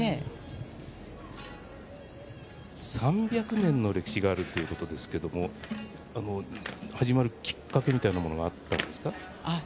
３００年の歴史があるということですけど始まるきっかけみたいなものがあったんですか？